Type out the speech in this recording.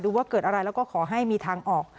ว่าเกิดอะไรแล้วก็ขอให้มีทางออก